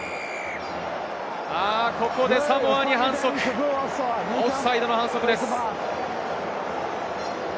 ここでサモアに反則、オフサイドの反則です。